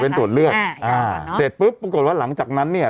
เป็นตรวจเลือดอ่าอ่าเสร็จปุ๊บปรากฏว่าหลังจากนั้นเนี่ย